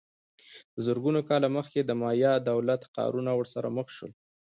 دا زرګونه کاله مخکې د مایا دولت ښارونه ورسره مخ شول